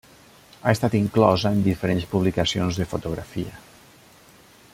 Ha estat inclosa en diferents publicacions de fotografia.